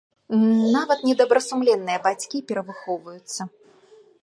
Нават недобрасумленныя бацькі перавыхоўваюцца.